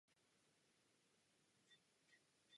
Tyto cíle se týkají pouze vnitrostátních letů.